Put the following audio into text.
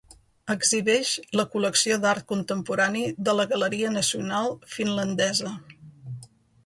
Exhibeix la col·lecció d'art contemporani de la Galeria Nacional Finlandesa.